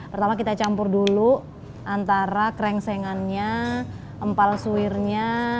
pertama kita campur dulu antara krengsengannya empal suwirnya